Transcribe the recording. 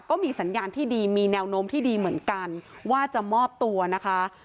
ก็มีสัญญาณที่ดีมีแนวโน้มที่ดีเหมือนกันว่าจะมอบตัวนะคะ